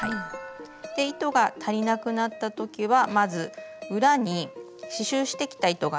糸が足りなくなった時はまず裏に刺しゅうしてきた糸がありますので